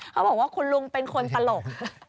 เขาบอกว่าคุณลุงเป็นคนตลก